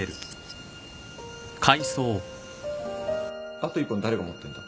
あと１本誰が持ってんだ？